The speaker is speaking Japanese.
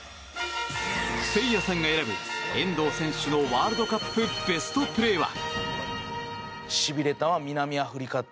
せいやさんが選ぶ、遠藤選手のワールドカップベストプレーは？